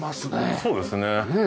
そうですね。